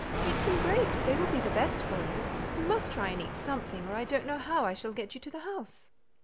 "Take some grapes, they will be the best for you; you must try and eat something, or I don't know how I shall get you to the house."